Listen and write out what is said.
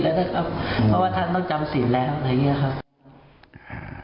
เพราะว่าท่านต้องจำสินแล้วอะไรอย่างนี้ครับ